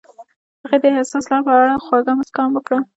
هغې د حساس لاره په اړه خوږه موسکا هم وکړه.